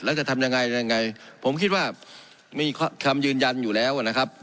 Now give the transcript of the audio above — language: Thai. แล้วจะทำยังไงยังไงผมคิดว่ามีคำยืนยันอยู่แล้วนะครับ